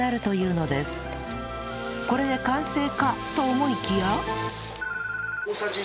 これで完成かと思いきや